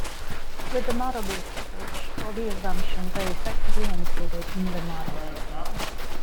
With the model-based approach, all the assumptions are effectively encoded in the model.